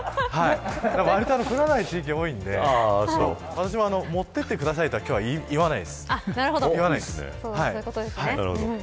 割と降らない地域が多いので私も持っていってくださいとは今日は言わないです。